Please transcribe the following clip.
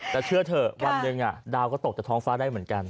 แต่เชื่อเถอะวันหนึ่งดาวก็ตกจากท้องฟ้าได้เหมือนกัน